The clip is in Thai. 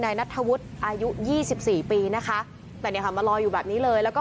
นัทธวุฒิอายุยี่สิบสี่ปีนะคะแต่เนี่ยค่ะมาลอยอยู่แบบนี้เลยแล้วก็